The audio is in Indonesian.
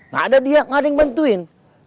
gak ada dia gak ada yang ngebantuin